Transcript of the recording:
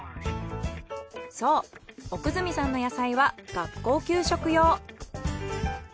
そう奥住さんの野菜は学校給食用。